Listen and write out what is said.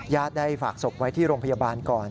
ได้ฝากศพไว้ที่โรงพยาบาลก่อน